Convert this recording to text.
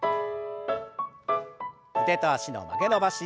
腕と脚の曲げ伸ばし。